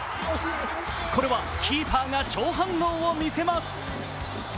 これはキーバーが超反応をみせます。